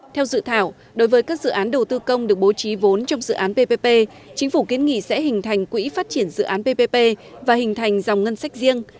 theo dự thảo đối với các dự án đầu tư công được bố trí vốn trong dự án ppp chính phủ kiến nghị sẽ hình thành quỹ phát triển dự án ppp và hình thành dòng ngân sách riêng